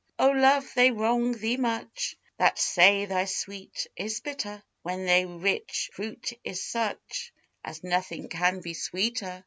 O Love, they wrong thee much That say thy sweet is bitter, When thy rich fruit is such As nothing can be sweeter.